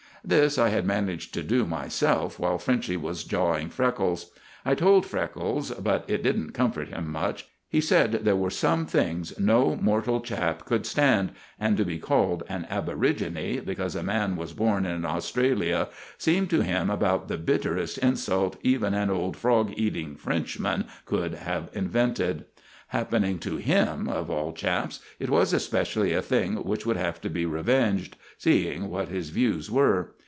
This I had managed to do myself while Frenchy was jawing Freckles. I told Freckles, but it didn't comfort him much. He said there were some things no mortal chap could stand; and to be called "an aborigine" because a man was born in Australia seemed to him about the bitterest insult even an old frog eating Frenchman could have invented. Happening to him, of all chaps, it was especially a thing which would have to be revenged, seeing what his views were.